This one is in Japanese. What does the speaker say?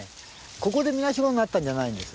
ここで、みなしごになったんじゃないんです。